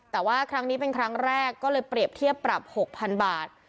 แต่ว่าครั้งนี้เป็นครั้งแรกก็เลยเปรียบเทียบปรับ๖๐๐๐บาท